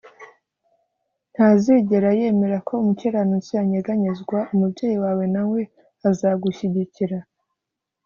Ntazigera yemera ko umukiranutsi anyeganyezwa Umubyeyi wawe na we azagushyigikira